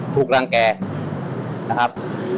ถูกรังแก่นะครับ